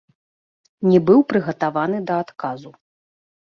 Не быў прыгатаваны да адказу.